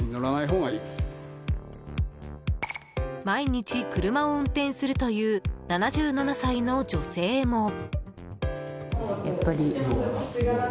毎日車を運転するという７７歳の女性も。